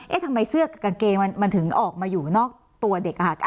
เอ๊ะทำไมเสื้อกับกางเกงมันมันถึงออกมาอยู่นอกตัวเด็กอ่ะค่ะ